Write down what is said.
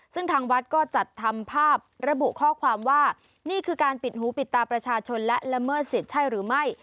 ซึ่งทางวัดก็จัดทำภาพระบุข้อความว่านี่คือการปิดหูปิดตาประชาชนและละเมิดสิทธิ์ใช่หรือไม่